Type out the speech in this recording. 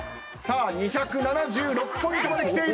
２７６ポイントまできている！